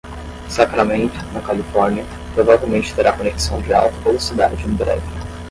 Sacramento, na Califórnia, provavelmente terá conexão de alta velocidade em breve.